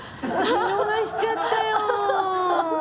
見逃しちゃったよ！